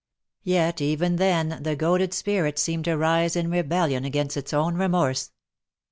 Yet even then the goaded spirit seemed to rise in rebellion against its own remorse.